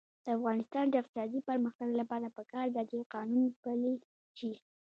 د افغانستان د اقتصادي پرمختګ لپاره پکار ده چې قانون پلی شي.